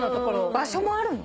場所もあるの？